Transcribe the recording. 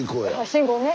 信号ね。